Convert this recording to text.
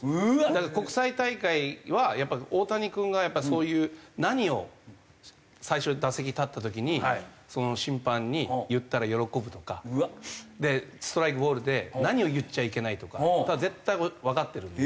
だから国際大会はやっぱ大谷君がそういう何を最初に打席立った時に審判に言ったら喜ぶとかストライクボールで何を言っちゃいけないとか絶対わかってるので。